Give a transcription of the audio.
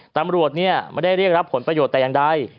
ตำรวจเนี่ยไม่ได้เรียกรับผลประโยชน์แต่ยังได้